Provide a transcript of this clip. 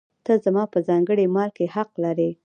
ته زما په ځانګړي مال کې حق لرې.